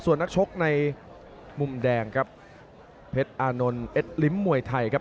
ส่วนนักชกในมุมแดงครับเพชรอานนท์เอ็ดลิ้มมวยไทยครับ